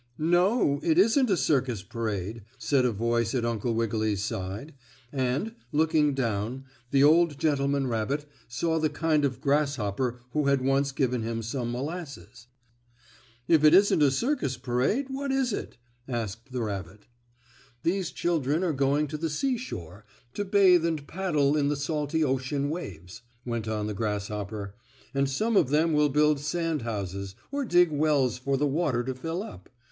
"No, it isn't a circus parade," said a voice at Uncle Wiggily's side, and, looking down, the old gentleman rabbit saw the kind grasshopper who had once given him some molasses. "If it isn't a circus parade, what is it?" asked the rabbit. "These children are going to the seashore to bathe and paddle in the salty ocean waves," went on the grasshopper, "and some of them will build sand houses, or dig wells for the water to fill up.